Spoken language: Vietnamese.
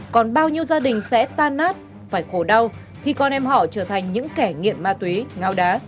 còn bao nhiêu gia đình sẽ tan nát phải khổ đau khi con em họ trở thành những kẻ nghiện ma tuyến